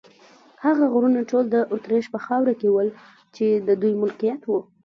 هغه غرونه ټول د اتریش په خاوره کې ول، چې د دوی ملکیت و.